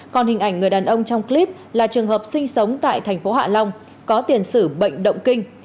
còn hình ảnh người đàn ông trong clip là trường hợp sinh sống tại thành phố hạ long có tiền sử bệnh động kinh